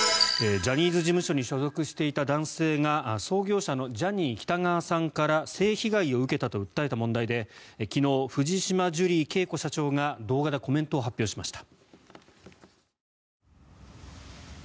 ジャニーズ事務所に所属していた男性が創業者のジャニー喜多川さんから性被害を受けたと訴えた問題で昨日、藤島ジュリー景子社長が動画でコメントを発表しました。